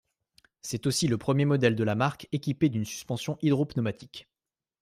C'est aussi le premier modèle de la marque équipé d’une suspension hydropneumatique.